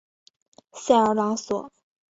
塞尔朗索。